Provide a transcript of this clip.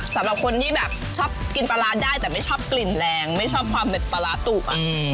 สำหรับคนที่แบบชอบกินปลาร้าได้แต่ไม่ชอบกลิ่นแรงไม่ชอบความเด็ดปลาร้าตุก